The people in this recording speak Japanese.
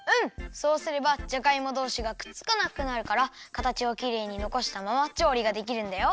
そうすればじゃがいもどうしがくっつかなくなるからかたちをきれいにのこしたままちょうりができるんだよ。